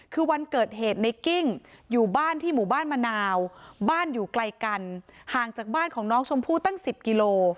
คือวันเกิดเหตุในกิ้งอยู่บ้านที่หมู่บ้านมะนาวบ้านอยู่ไกลกันห่างจากบ้านของน้องชมพู่ตั้ง๑๐กิโล